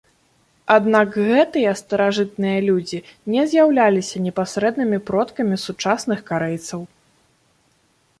Аднак гэтыя старажытныя людзі не з'яўляліся непасрэднымі продкамі сучасных карэйцаў.